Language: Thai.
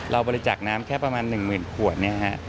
เราบริจาคน้ำแค่ประมาณ๑หมื่นขวดนี่ค่ะ